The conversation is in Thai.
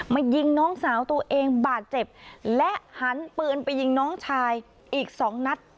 ยิงน้องสาวตัวเองบาดเจ็บและหันปืนไปยิงน้องชายอีกสองนัด